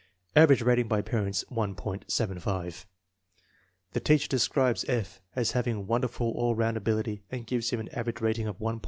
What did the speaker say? Average rating by parents, 1.75. The teacher describes P. as having wonderful all round ability and gives him an average rating of 1.80.